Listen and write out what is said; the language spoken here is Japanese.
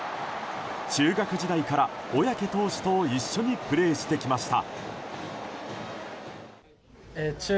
中学時代から小宅投手と一緒にプレーしてきました。